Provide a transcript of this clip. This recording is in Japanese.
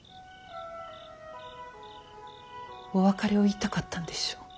お別れを言いたかったんでしょう。